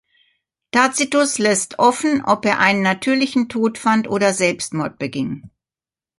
Tacitus lässt offen, ob er einen natürlichen Tod fand oder Selbstmord beging.